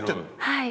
はい。